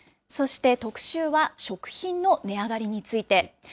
そして特集は食品の値上がりについて。